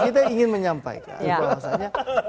kita ingin menyampaikan